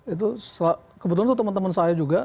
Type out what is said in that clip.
itu kebetulan teman teman saya juga